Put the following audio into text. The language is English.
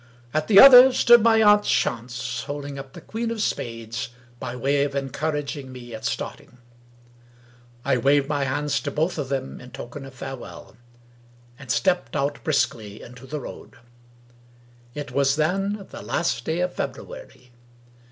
At the other stood my aunt Chance, holding up the Queen of Spades by way of encouraging me at starting. I waved my hands to both of them in token of farewell, and stepped out briskly into the road. It was then the last day of February.